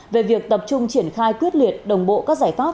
về việc tập trung triển khai quyết liệt đồng bộ các giải pháp